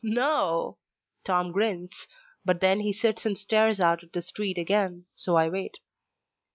"No o o." Tom grins, but then he sits and stares out at the street again, so I wait.